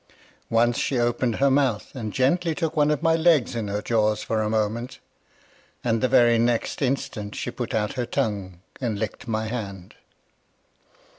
Once she opened Her mouth, and gently took one of my legs in her jaws for a moment; and the very next instant she put out her tongue and licked my hand.